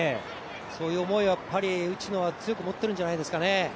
そういう思いをやっぱり内野は強く思っているんじゃないですかね。